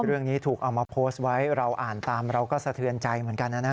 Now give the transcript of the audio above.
เรื่องนี้ถูกเอามาโพสต์ไว้เราอ่านตามเราก็สะเทือนใจเหมือนกันนะฮะ